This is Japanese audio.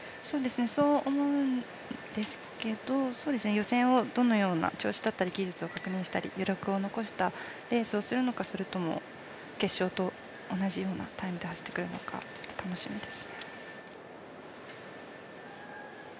そう思うんですけど、予選をどのような調子だったり技術を確認したり余力を残したレースをするのか、それとも決勝と同じようなタイムで走ってくるのか楽しみです。